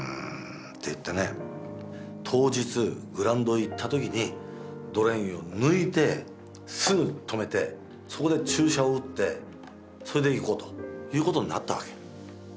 当日グラウンドへ行った時にドレーンを抜いてすぐ止めてそこで注射を打ってそれでいこうということになったわけ。